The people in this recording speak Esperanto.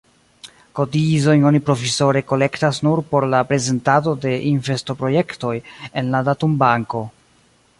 Kotizojn oni provizore kolektas nur por la prezentado de investoprojektoj en la datumbanko.